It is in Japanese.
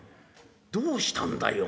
どうしたんだよ？